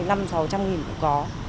năm sáu trăm nghìn cũng có